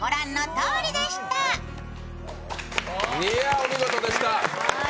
お見事でした。